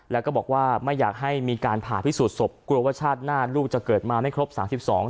แล้วก็บอกว่าไม่อยากให้มีการผ่าพิสูจนศพกลัวว่าชาติหน้าลูกจะเกิดมาไม่ครบสามสิบสอง